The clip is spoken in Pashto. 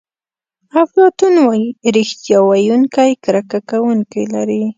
افلاطون وایي ریښتیا ویونکی کرکه کوونکي لري.